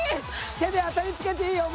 手で当たりつけていいよ